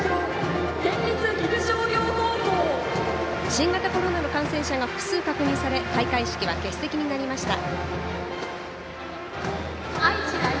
新型コロナの感染者が複数確認され開会式は欠席になりました。